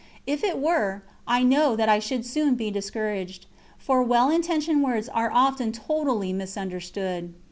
If it were, I know that I should soon be discouraged, for well intentioned words are often totally misunderstood.